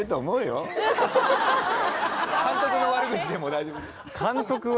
監督の悪口でも大丈夫です。